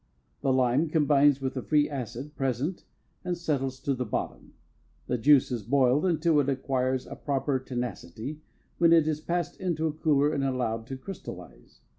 The lime combines with the free acid present and settles to the bottom. The juice is boiled until it acquires a proper tenacity, when it is passed into a cooler and allowed to crystallize.